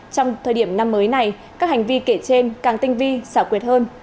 trong thời điểm năm mới này các hành vi kể trên càng tinh vi xảo quyệt hơn